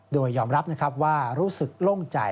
โดยยอมรับนะครับว่ารู้สึกโล่งใจ